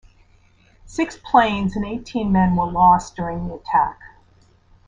Six planes and eighteen men were lost during the attack.